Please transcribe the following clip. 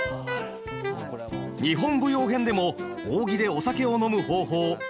日本舞踊編でも扇でお酒を飲む方法学びましたよね。